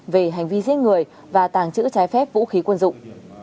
về hành vi giết người và tàng trữ trái phép vũ khí quân dụng